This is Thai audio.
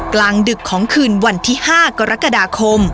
กลางดึกของคืนวันที่๕กรกฎาคม